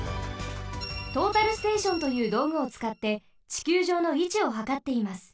トータルステーションというどうぐをつかってちきゅうじょうのいちをはかっています。